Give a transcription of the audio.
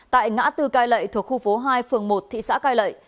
tại ngã tư cai lệ thuộc khu phố hai phường một thị xã cai lệ